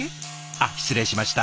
あっ失礼しました。